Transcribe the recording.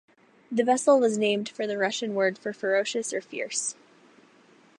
The vessel was named for the Russian word for Ferocious or Fierce.